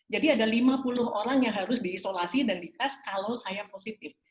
jadi ada lima puluh orang yang harus diisolasi dan di tes kalau saya positif